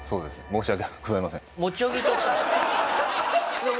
申し訳ございません。